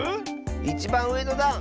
いちばんうえのだん！